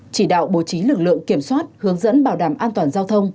chỉ đạo bố trí lực lượng kiểm soát hướng dẫn bảo đảm an toàn giao thông